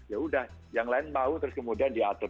yaudah yang lain mau terus kemudian diatur